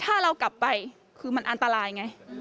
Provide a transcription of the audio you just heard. ถ้าเรากลับไปคือมันอันตรายไง